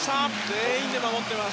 全員で守っています。